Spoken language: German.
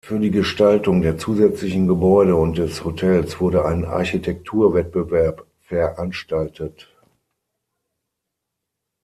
Für die Gestaltung der zusätzlichen Gebäude und des Hotels wurde ein Architekturwettbewerb veranstaltet.